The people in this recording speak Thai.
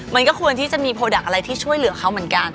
มันก็ควรที่จะมีโปรดักต์อะไรที่ช่วยเหลือเขาเหมือนกัน